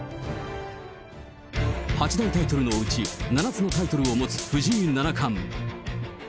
八大タイトルのうち、７つのタイトルを持つ藤井七冠。